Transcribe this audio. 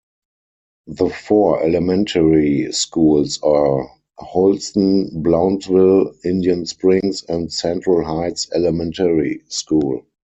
The four elementary schools are Holston, Blountville, Indian Springs, and Central Heights Elementary School.